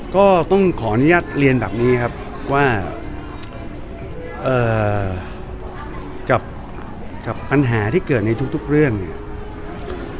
ก็ต้องขออนุญาตเรียนแบบนี้ครับว่ากับปัญหาที่เกิดในทุกเรื่องเนี่ย